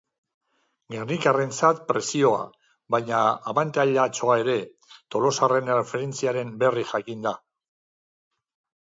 Gernikarrentzat presioa, baina abantailatxoa ere, tolosarren erreferentziaren berri jakinda.